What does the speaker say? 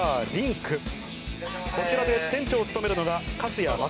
こちらで店長を務めるのが。